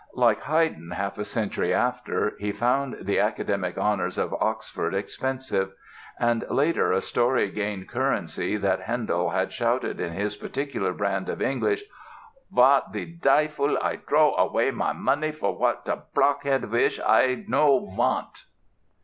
Like Haydn half a century after, he found the academic honors of Oxford expensive; and later a story gained currency that Handel had shouted in his particular brand of English: "Vat de dyfil I trow away my money for what de Blockhead wish; I no vant!"